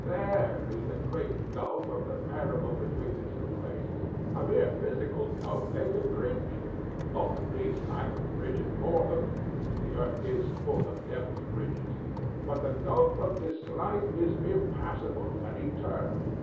There is the great gulf of the parable between the two places. A mere physical gulf they could bridge; or at least I could bridge it for them (the earth is full of Devil's Bridges); but the gulf of dislike is impassable and eternal.